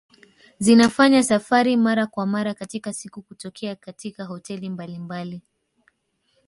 Zinafanya safari mara kwa mara katika siku kutokea katika hoteli mbalimbali